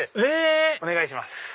え⁉お願いします。